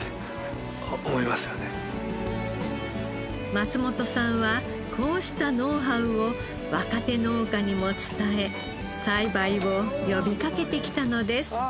松本さんはこうしたノウハウを若手農家にも伝え栽培を呼びかけてきたのです。